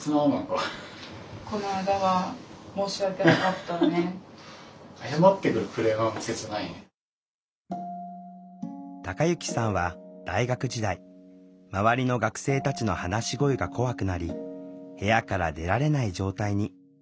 たかゆきさんは大学時代周りの学生たちの話し声が怖くなり部屋から出られない状態に。